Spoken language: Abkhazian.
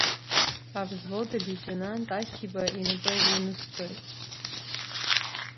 Авзвод, алеитенант Ахиба инапы ианысҵоит!